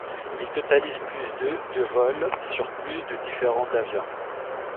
Il totalise plus de de vol sur plus de différents d'avions.